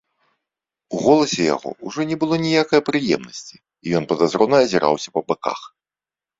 У голасе яго ўжо не было ніякае прыемнасці, і ён падазрона азіраўся па баках.